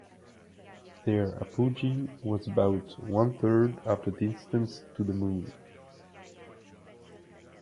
Their apogee was about one-third of the distance to the Moon.